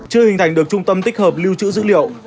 chưa hình thành được trung tâm tích hợp lưu trữ dữ liệu